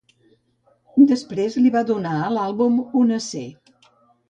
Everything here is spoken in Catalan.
Després li va donar a l'àlbum una C.